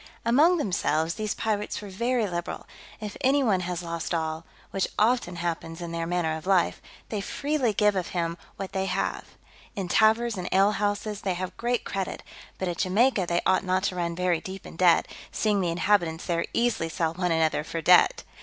Among themselves these pirates are very liberal: if any one has lost all, which often happens in their manner of life, they freely give him of what they have. In taverns and alehouses they have great credit; but at Jamaica they ought not to run very deep in debt, seeing the inhabitants there easily sell one another for debt.